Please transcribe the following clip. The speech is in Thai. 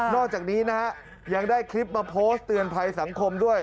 อกจากนี้นะฮะยังได้คลิปมาโพสต์เตือนภัยสังคมด้วย